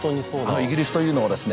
イギリスというのはですね